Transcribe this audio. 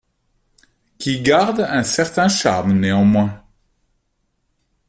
Qui garde un certain charme néanmoins.